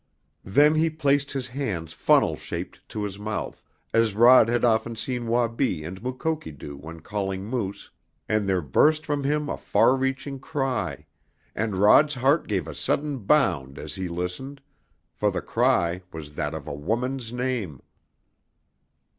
Then he placed his hands funnel shaped to his mouth, as Rod had often seen Wabi and Mukoki do when calling moose, and there burst from him a far reaching cry, and Rod's heart gave a sudden bound as he listened, for the cry was that of a woman's name!